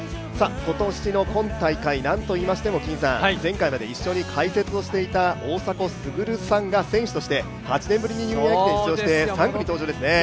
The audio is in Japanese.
今年の今大会、何といいましても前回まで一緒に解説をしていた大迫傑さんが選手として８年ぶりにニューイヤー駅伝に出場して３区に登場ですね。